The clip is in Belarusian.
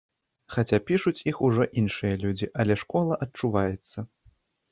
Хаця пішуць іх ужо іншыя людзі, але школа адчуваецца.